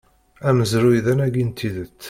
Amezruy d anagi n tidet.